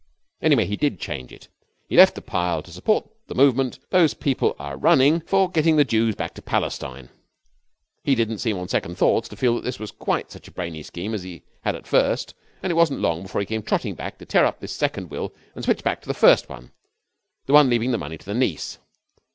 Anyway, he did change it. He left the pile to support the movement those people are running for getting the Jews back to Palestine. 'He didn't seem, on second thoughts, to feel that this was quite such a brainy scheme as he had at first, and it wasn't long before he came trotting back to tear up this second will and switch back to the first one the one leaving the money to the niece.